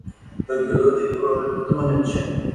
তাকে লজ্জিত এবং অনুতপ্ত মনে হচ্ছে।